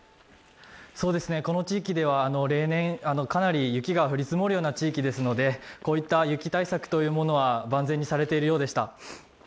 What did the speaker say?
この地域では例年かなり雪が降り積もるような地域ですので雪対策は万全にされているようでした。